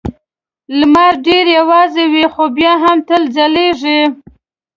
لمر ډېر یوازې وي خو بیا هم تل ځلېږي.